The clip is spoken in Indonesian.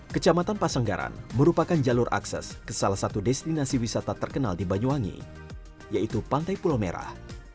kecamatan pasanggaran merupakan jalur akses ke salah satu destinasi wisata terkenal di banyuwangi yaitu pantai pulau merah